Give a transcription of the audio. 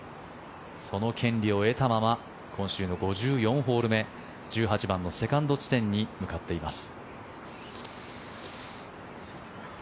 その権利を得たまま今週の５４ホール目１８番のセカンド地点に向かっています。